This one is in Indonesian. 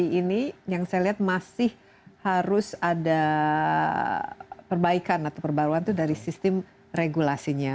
ini yang saya lihat masih harus ada perbaikan atau perbaruan itu dari sistem regulasinya